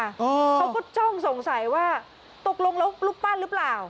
เขาก็จ้องสงสัยว่าตกลงแล้วรูปปั้นหรือเปล่า